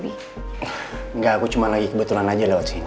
brengga gua cuma lagi kebetulan aja lewat sini